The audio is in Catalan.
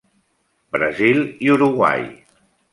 Brasil i Uruguai.